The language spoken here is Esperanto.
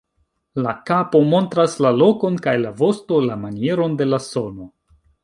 La kapo montras la lokon kaj la vosto la manieron de la sono.